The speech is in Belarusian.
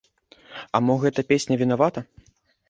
А мо гэта песня вінавата?